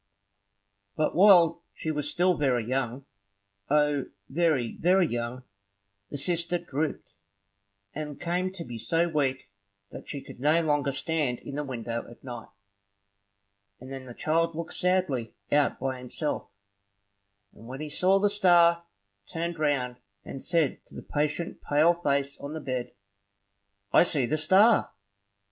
But while she was still very young, O, very, very young, the sister drooped, and came to be so weak that she could no longer stand in the window at night; and then the child looked sadly out by himself, and when he saw the star, turned round and said to the patient pale face on the bed, "I see the star!"